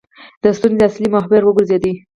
د ستونزې اصلي محور وګرځېد.